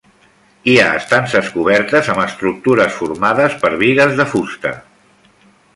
Hi ha estances cobertes amb estructures formades per bigues de fusta.